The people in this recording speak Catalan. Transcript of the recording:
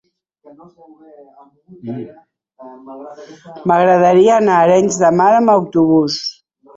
M'agradaria anar a Arenys de Mar amb autobús.